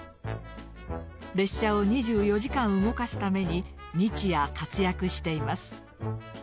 列車を２４時間動かすために日夜活躍しています。